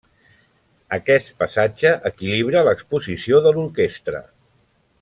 Aquest passatge equilibra l'exposició de l'orquestra.